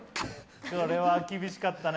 これは厳しかったね。